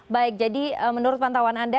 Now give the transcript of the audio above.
baik jadi menurut pantauan anda